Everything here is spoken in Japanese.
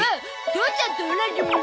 父ちゃんと同じ。